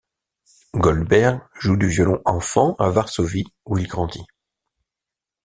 Goldberg joue du violon enfant à Varsovie où il grandit.